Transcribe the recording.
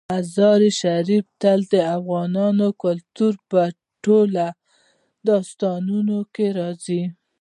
مزارشریف تل د افغان کلتور په ټولو داستانونو کې راځي.